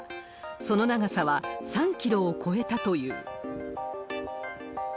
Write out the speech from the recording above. その長さは３キロを超えたという。